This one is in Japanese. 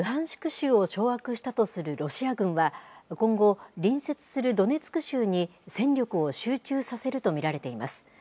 州を掌握したとするロシア軍は、今後、隣接するドネツク州に戦力を集中させると見られています。